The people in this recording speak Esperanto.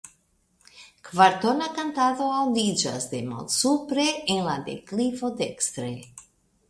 Kvartona kantado aŭdiĝas de malsupre en la deklivo dekstre.